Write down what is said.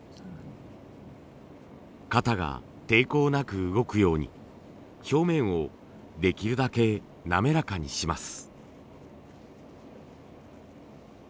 型が抵抗なく動くように表面をできるだけなめらかにします。